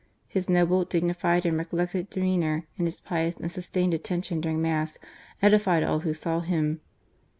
His noble, dignified, and recollected demeanour, and his pious and sustained attention during Mass edified all who saw him.